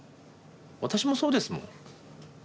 私もそうですもん。